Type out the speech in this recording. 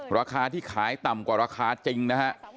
ราคาที่ขายต่ำกว่าราคาจริงนะฮะ